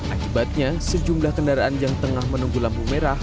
akibatnya sejumlah kendaraan yang tengah menunggu lampu merah